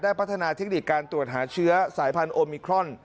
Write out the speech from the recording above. พัฒนาเทคนิคการตรวจหาเชื้อสายพันธุมิครอน